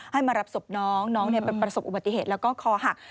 มารับศพน้องน้องประสบอุบัติเหตุแล้วก็คอหัก